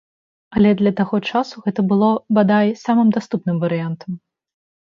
Але для таго часу гэта было, бадай, самым даступным варыянтам.